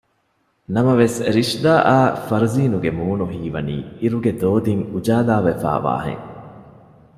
ނަމަވެސް ރިޝްދާ އާއި ފަރުޒީނުގެ މޫނު ހީވަނީ އިރުގެ ދޯދިން އުޖާލާވެފައި ވާހެން